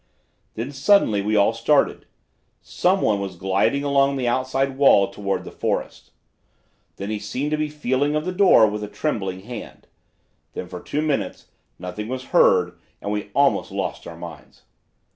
Then suddenly we all started. Some one was gliding along the outside wall toward the forest; then he seemed to be feeling of the door with a trembling hand; then for two minutes nothing was heard and we almost lost our minds.